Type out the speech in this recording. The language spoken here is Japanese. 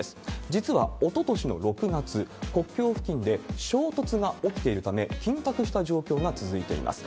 実はおととしの６月、国境付近で衝突が起きているため、緊迫した状況が続いています。